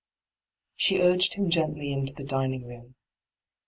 She urged him gently into the dining room.